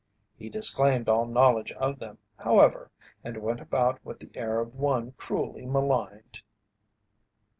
He disclaimed all knowledge of them, however, and went about with the air of one cruelly maligned.